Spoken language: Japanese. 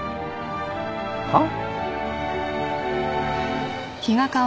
はっ？